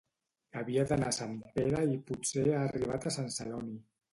Havia d'anar a Sant Pere i potser ha arribat a Sant Celoni